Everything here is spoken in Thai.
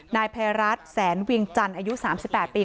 นายภัยรัฐแสนเวียงจันทร์อายุ๓๘ปี